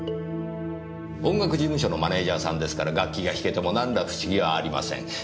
音楽事務所のマネージャーさんですから楽器が弾けても何ら不思議はありません。